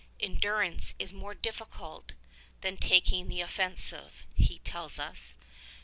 '' Endur ance is more difficult than taking the offensive, he tells us.